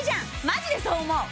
マジでそう思う！